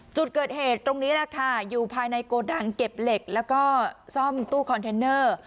จุดเกิดเหตุตรงนี้แหละค่ะอยู่ภายในโกดังเก็บเหล็กแล้วก็ซ่อมตู้คอนเทนเนอร์